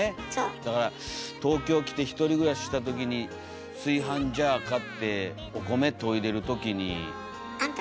だから東京来て１人暮らししたときに炊飯ジャー買ってお米といでるときに。